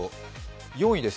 ４位です。